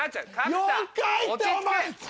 ４回ってお前。